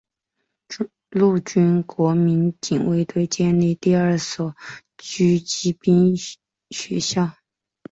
陆军国民警卫队建立第二所狙击兵学校。